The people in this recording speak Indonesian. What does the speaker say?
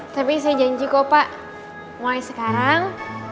tapi saya janji kok pak mulai sekarang